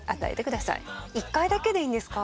１回だけでいいんですか？